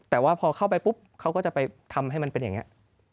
แต่ว่าพอเข้าไปปุ๊บเขาก็จะไปทำให้มันเป็นอย่างนี้